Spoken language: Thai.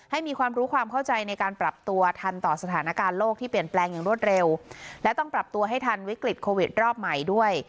ให้มีความรู้ความเข้าใจในการปรับตัวทันต่อสถานการณ์โลกที่เปลี่ยนแปลงอย่างรวดเร็วและต้องปรับตัวให้ทันวิกฤตโควิดรอบใหม่ด้วย